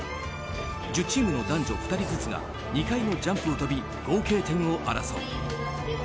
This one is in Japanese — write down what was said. １０チームの男女２人ずつが２回のジャンプを飛び合計点を争う。